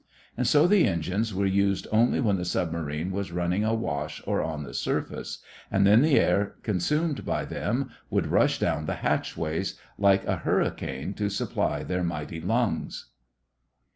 And so the engines were used only when the submarine was running awash or on the surface, and then the air consumed by them would rush down the hatchway like a hurricane to supply their mighty lungs.